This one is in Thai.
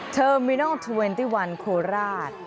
เทอร์มินัลที่๒๑โคราช